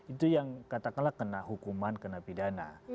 itu yang katakanlah kena hukuman kena pidana